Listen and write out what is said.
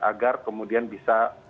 agar kemudian bisa